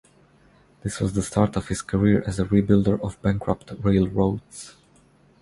This was the start of his career as a rebuilder of bankrupt railroads.